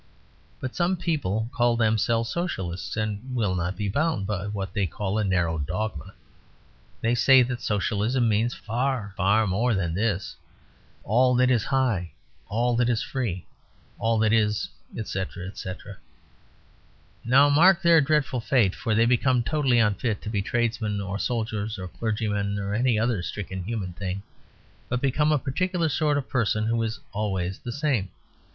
But some people call themselves Socialists, and will not be bound by what they call a narrow dogma; they say that Socialism means far, far more than this; all that is high, all that is free, all that is, etc., etc. Now mark their dreadful fate; for they become totally unfit to be tradesmen, or soldiers, or clergymen, or any other stricken human thing, but become a particular sort of person who is always the same.